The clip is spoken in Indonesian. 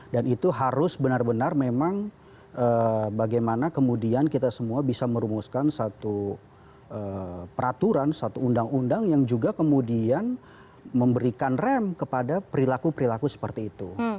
dan itu harus benar benar memang bagaimana kemudian kita semua bisa merumuskan satu peraturan satu undang undang yang juga kemudian memberikan rem kepada perilaku perilaku seperti itu